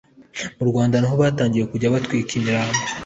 mu rwanda naho batangiye kujya batwika imirambo